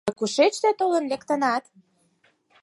— А кушеч тый толын лектынат?